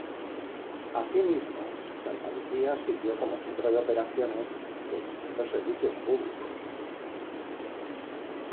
Asimismo, Santa Lucía sirvió como centro de operaciones de distintos servicios públicos.